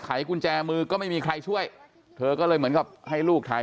กุญแจมือก็ไม่มีใครช่วยเธอก็เลยเหมือนกับให้ลูกถ่าย